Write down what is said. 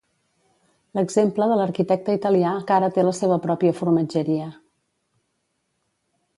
L'exemple de l'arquitecte italià que ara té la seva pròpia formatgeria.